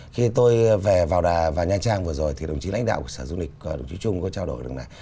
khi tôi về vào đà và nha trang vừa rồi thì đồng chí lãnh đạo của sở du lịch đồng chí trung có trao đổi rằng là